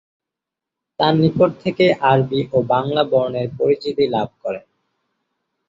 তাঁর নিকট থেকেই আরবি ও বাংলা বর্ণের পরিচিতি লাভ করেন।